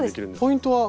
ポイントは？